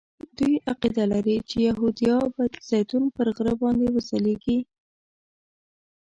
دوی عقیده لري چې یهودا به د زیتون پر غره باندې وځلیږي.